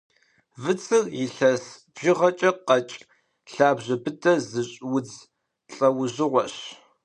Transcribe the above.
Выцыр илъэс бжыгъэкӏэ къэкӏ, лъабжьэ быдэ зыщӏ удз лӏэужьыгъуэщ.